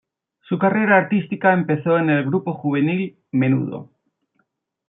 Su carrera artística empezó en el grupo juvenil Menudo.